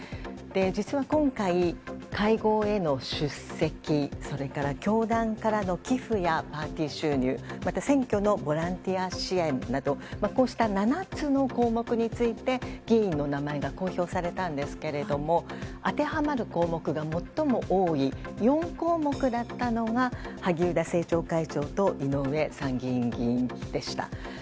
実は今回、会合への出席それから教団からの寄付やパーティー収入また選挙のボランティア支援などこうした７つの項目について議員の名前が公表されたんですけれども当てはまる項目が最も多い４項目だったのが萩生田政調会長と井上参議院議員でした。